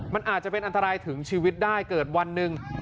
มันอาจจะเป็นอันตรายถึงชีวิตได้เกิดวันหนึ่ง